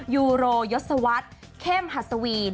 ยูโรยสวัตเค่มฮัศวีน